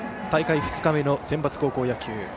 大会２日目のセンバツ高校野球。